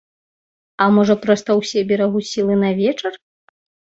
А можа проста ўсе берагуць сілы на вечар?